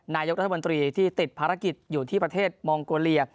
นายกรัฐมนตรีที่ติดภารกิจอยู่ที่ประเทศมองโกเลีย